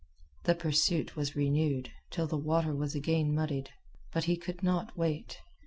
The pursuit was renewed, till the water was again muddied. But he could not wait.